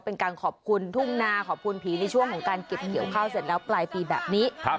เป็นการขอบคุณทุ่งนาขอบคุณผีในช่วงของการเก็บเกี่ยวข้าวเสร็จแล้วปลายปีแบบนี้